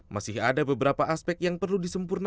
masih ada beberapa aspek yang perlu disempurnakan